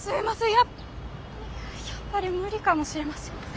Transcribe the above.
やっぱやっぱり無理かもしれません。